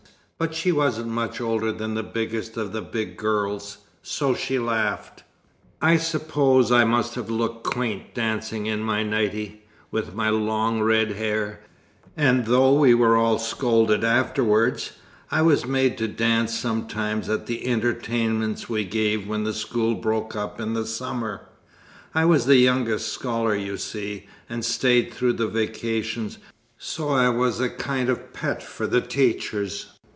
But she wasn't much older than the biggest of the big girls, so she laughed I suppose I must have looked quaint dancing in my nighty, with my long red hair. And though we were all scolded afterwards, I was made to dance sometimes at the entertainments we gave when school broke up in the summer. I was the youngest scholar, you see, and stayed through the vacations, so I was a kind of pet for the teachers.